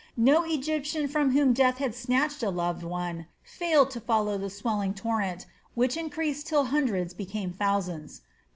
No Egyptian from whom death had snatched a loved one failed to follow the swelling torrent, which increased till hundreds became thousands.